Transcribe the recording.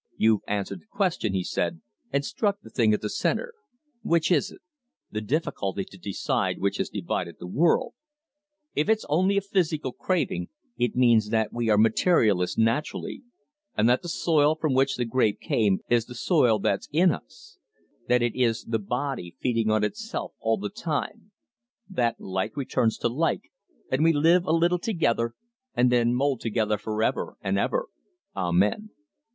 "You've answered the question," he said, "and struck the thing at the centre. Which is it? The difficulty to decide which has divided the world. If it's only a physical craving, it means that we are materialists naturally, and that the soil from which the grape came is the soil that's in us; that it is the body feeding on itself all the time; that like returns to like, and we live a little together, and then mould together for ever and ever, amen.